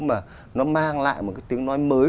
mà nó mang lại một cái tiếng nói mới